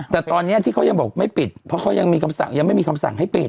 แต่ตอนนี้ที่เขายังบอกไม่ปิดเพราะเขายังมีคำสั่งยังไม่มีคำสั่งให้ปิด